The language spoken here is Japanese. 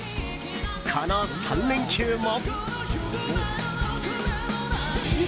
この３連休も。